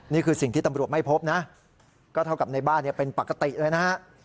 นี่คือสิ่งที่ตำรวจไม่พบนะก็เท่ากับในบ้านเป็นปกติเลยนะฮะ